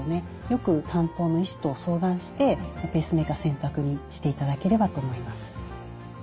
よく担当の医師と相談してペースメーカー選択していただければと思います。